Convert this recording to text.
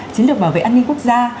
chiến lược bảo vệ an ninh quốc gia